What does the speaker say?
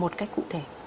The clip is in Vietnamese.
một cách cụ thể